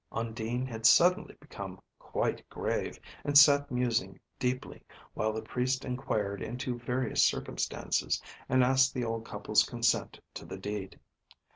Undine had suddenly become quite grave, and sat musing deeply, while the Priest inquired into various circumstances, and asked the old couple's consent to the deed.